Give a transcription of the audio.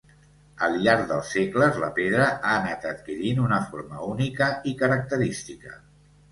Al llarg dels segles, la pedra ha anat adquirint una forma única i característica.